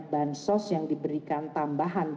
bansos yang diberikan tambahan